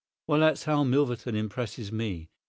Well, that's how Milverton impresses me.